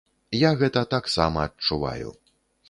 Я гэта таксама адчуваю.